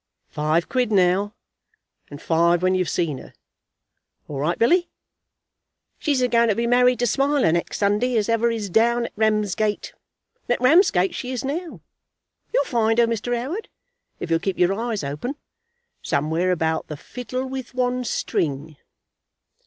"Five quid now, and five when you've seen her." "All right, Billy." "She's a going to be married to Smiler next Sunday as ever is down at Ramsgate; and at Ramsgate she is now. You'll find her, Mr. 'Oward, if you'll keep your eyes open, somewhere about the 'Fiddle with One String.'"